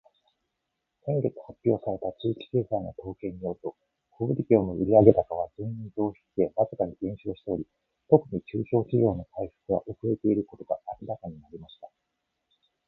「先月発表された地域経済の統計によると、小売業の売上高は前年同期比でわずかに減少しており、特に中小企業の回復が遅れていることが明らかになりました。」